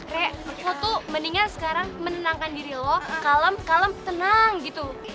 re lo tuh mendingan sekarang menenangkan diri lo kalem kalem tenang gitu